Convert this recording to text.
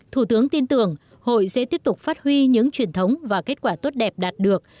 thủ tướng tin tưởng hội sẽ tiếp tục phát huy những truyền thống và kết quả tốt đẹp đạt được